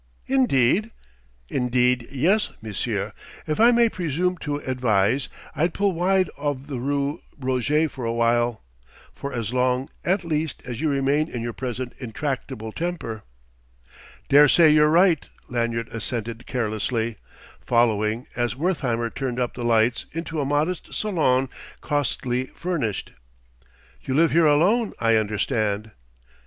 "Indeed?" "Indeed yes, monsieur! If I may presume to advise I'd pull wide of the rue Roget for a while for as long, at least, as you remain in your present intractable temper." "Daresay you're right," Lanyard assented carelessly, following, as Wertheimer turned up the lights, into a modest salon cosily furnished. "You live here alone, I understand?"